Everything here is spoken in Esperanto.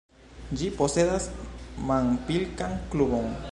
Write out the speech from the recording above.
Ĝi posedas manpilkan klubon.